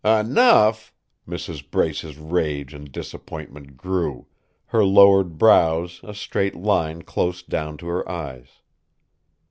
"Enough!" Mrs. Brace's rage and disappointment grew, her lowered brows a straight line close down to her eyes.